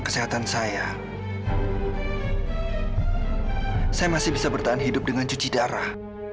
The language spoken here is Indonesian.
saya masih bisa bertahan hidup dengan cuci darah